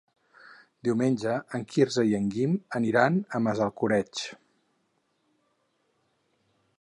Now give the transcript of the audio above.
Diumenge en Quirze i en Guim aniran a Massalcoreig.